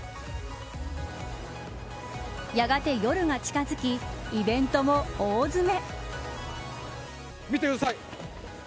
やがて夜が近づきイベントも大詰め。